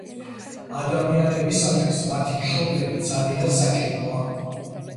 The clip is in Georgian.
ადამიანებისათვის მათი მშობლები ძალიან საჭიროა